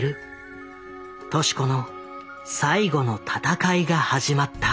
敏子の最後の闘いが始まった。